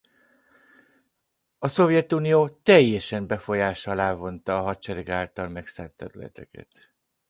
A Szovjetunió teljesen befolyása alá vonta a hadserege által megszállt területeket.